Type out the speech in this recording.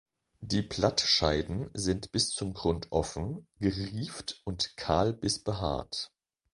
Die Blattscheiden sind bis zum Grund offen, gerieft und kahl bis behaart.